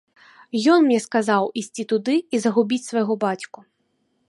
Ён мне сказаў ісці туды і загубіць свайго бацьку.